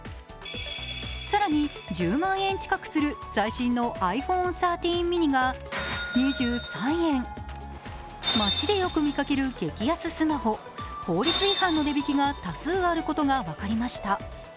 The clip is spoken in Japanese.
更に１０万円近くする最新のｉＰｈｏｎｅ１３ｍｉｎｉが街でよく見かける激安スマホ法律違反の値引きが多数あることが分かりました。